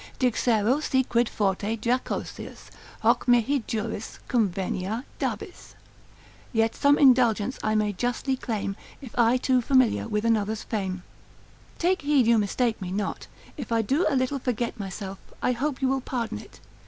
Dixero si quid forte jocosius, hoc mihi juris Cum venia, dabis——— Yet some indulgence I may justly claim, If too familiar with another's fame. Take heed you mistake me not. If I do a little forget myself, I hope you will pardon it.